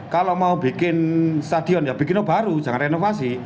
kalau mau bikin stadion ya bikinnya baru jangan renovasi